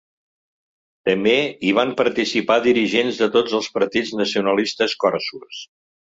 També hi van participar dirigents de tots els partits nacionalistes corsos.